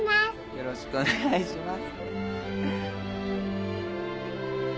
よろしくお願いします。